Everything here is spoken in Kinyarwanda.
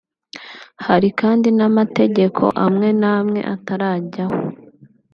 Hari kandi n’amategeko amwe nawe atarajyaho